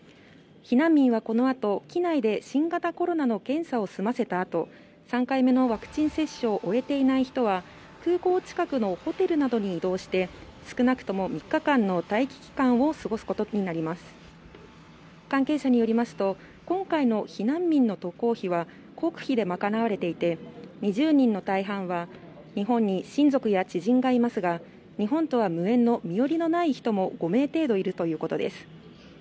避難民はこのあと機内で新型コロナの検査を済ませたあと３回目のワクチン接種を終えていない人は空港近くのホテルなどに移動して少なくとも３日間の待機期間を過ごすことになります関係者によりますと今回の避難民の渡航費は国費で賄われていて２０人の大半は日本に親族や知人がいますが日本とは無縁の身寄りのない人も５名程度いるということです